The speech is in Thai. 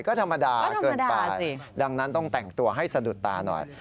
ก็ธรรมดาเกินไปดังนั้นต้องแต่งตัวให้สะดุดตาหน่อย